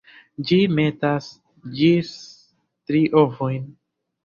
Ĝi metas gis tri ovojn.